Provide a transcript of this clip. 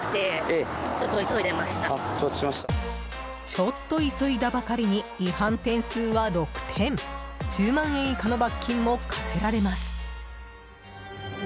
ちょっと急いだばかりに違反点数は６点１０万円以下の罰金も科せられます。